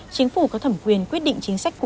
chính phủ có thẩm quyền quyết định chính sách phụ